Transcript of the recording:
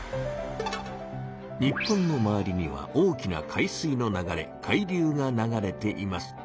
日本の周りには大きな海水の流れ「海流」が流れています。